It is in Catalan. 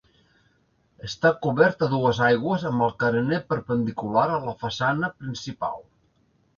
Està cobert a dues aigües amb el carener perpendicular a la façana principal.